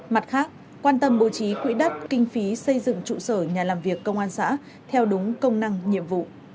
mặt khác quan tâm bố trí quỹ đất kinh phí xây dựng trụ sở nhà làm việc công an xã theo đúng công năng nhiệm vụ